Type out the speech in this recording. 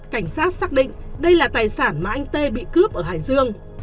cảnh sát xác định đây là tài sản mà anh tê bị cướp ở hải dương